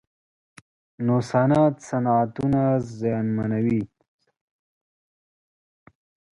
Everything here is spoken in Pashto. نوسانات صنعتونه زیانمنوي.